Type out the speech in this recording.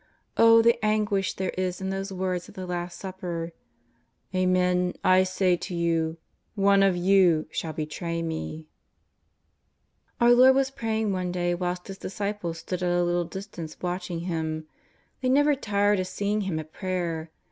Oh, the anguish there is in those words at the Last Supper: *'Amen, I say to you, one of you shall betray Me !'* Our Lord was praying one day whilst His disciples stood at a little distance watching Him. They never tired of seeing Him at prayer.